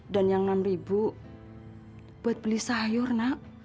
dan yang rp enam buat beli sayur nak